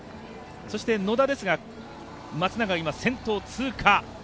そして野田ですが松永が今、先頭を通過。